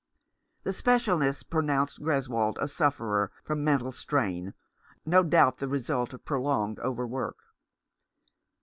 The specialist pronounced Greswold a sufferer from mental strain, no doubt the result of prolonged over work.